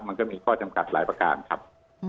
มันก็มีข้อจำกัดหลายประการครับ